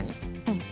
うん。